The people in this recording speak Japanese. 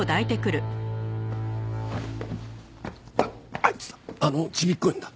あいつあのちびっこいのだ。